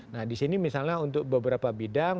nah di sini misalnya untuk beberapa bidang